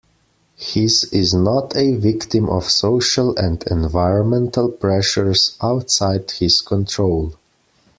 His is not a victim of social and environmental pressures outside his control.